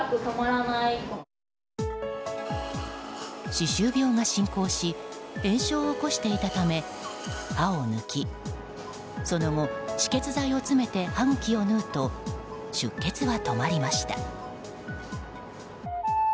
歯周病が進行し炎症を起こしていたため歯を抜きその後、止血剤を詰めて歯茎を縫うと出血は止まりました。